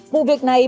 vụ việc này mà